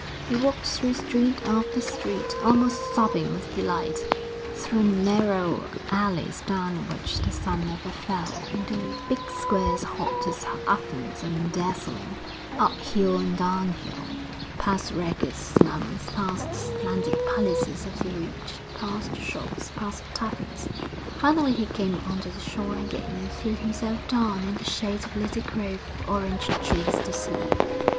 He walked through street after street, almost sobbing with delight, through narrow alleys down which the sun never fell, into big squares hot as ovens and dazzling, up hill and down hill, past ragged slums, past the splendid palaces of the rich, past shops, past taverns. Finally he came on to the shore again and threw himself down in the shade of a little grove of orange trees to sleep.